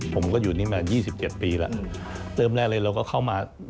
ผมก็อยู่นี่มา๒๗ปีแล้วเติมแรกเลยเราก็เข้ามา